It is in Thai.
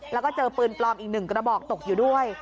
แล้วก็เจอปืนปลอมอีก๑กระบอกตกอยู่ด้วย